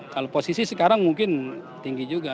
kalau posisi sekarang mungkin tinggi juga